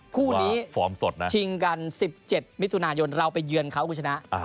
คู่นี้ชิงกัน๑๗มิถุนายนเราไปเยือนเขาคุณชนะ